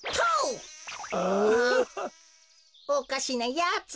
おかしなやつ。